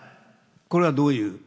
これはどういう。